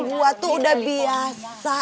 gue tuh udah biasa